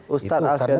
ustadz arifin tanjung